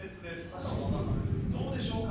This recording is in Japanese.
橋本君どうでしょうか？